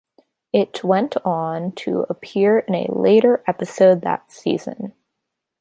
It went on to appear in a later episode that season.